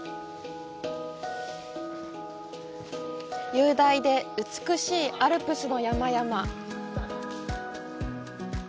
雄大で美しいアルプスの山々。